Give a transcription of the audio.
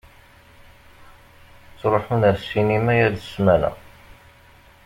Ttṛuḥun ar ssinima yal ssmana.